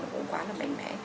đúng không ạ